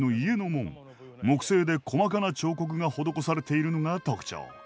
木製で細かな彫刻が施されているのが特徴。